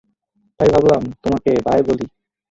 তাই ভাবলাম তোমাকে বায় বলি।